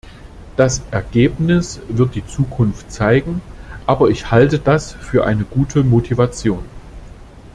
Das Ergebnis wird die Zukunft zeigen, aber ich halte das für eine gute Motivation.